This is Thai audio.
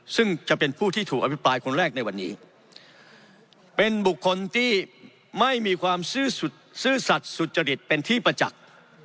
ซึ่งจะเป็นผู้ที่ถูกอภิปรายคนแรกในวันนี้เป็นบุคคลที่ไม่มีความซื่อสัตว์สุจริตเป็นที่ประจักษ์